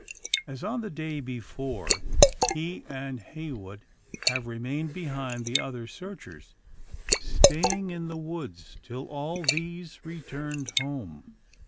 As on the day before, he and Heywood have remained behind the other searchers; staying in the woods till all these returned home.